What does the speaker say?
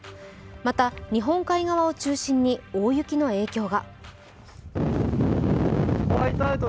また、日本海側を中心に大雪の影響が。